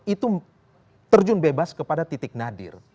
itu terjun bebas kepada titik nadir